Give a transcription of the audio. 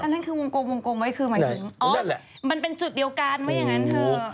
อันนั้นคือวงกลมวงกลมไว้คือหมายถึงอ๋อมันเป็นจุดเดียวกันไหมอย่างนั้นเถอะ